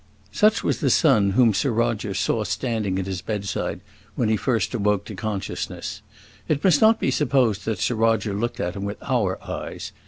Such was the son whom Sir Roger saw standing at his bedside when first he awoke to consciousness. It must not be supposed that Sir Roger looked at him with our eyes.